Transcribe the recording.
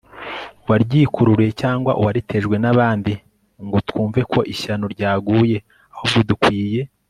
uwaryikururiye cyangwa uwaritejwe n'abandi) ngo twumve ko ishyano ryaguye ; ahubwo dukwiye